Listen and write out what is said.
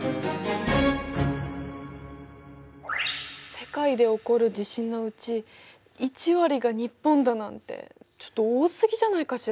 世界で起こる地震のうち１割が日本だなんてちょっと多すぎじゃないかしら。